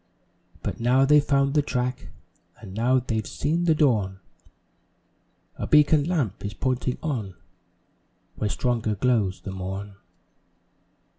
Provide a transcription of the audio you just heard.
But now they've found the track And now they've seen the dawn, A "beacon lamp" is pointing on, Where stronger glows the morn.